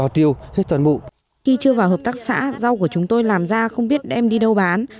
khi chưa vào hợp tác xã rau của chúng tôi làm ra không biết đem đi đâu bán